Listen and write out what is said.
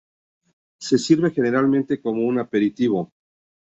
Se sirve generalmente como un aperitivo.